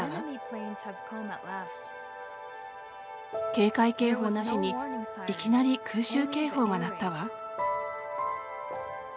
警戒警報なしにいきなり空襲警報が鳴ったわ。